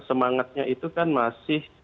semangatnya itu kan masih